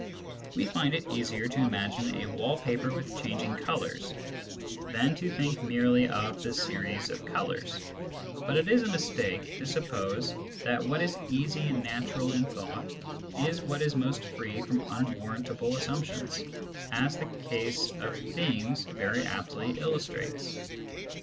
We find it easier to imagine a wall paper with changing colours than to think merely of the series of colours ; but it is a mistake to suppose that what is easy and natural in thought is what is most free from un warrantable assumptions, as the case of "things" very aptly illustrates.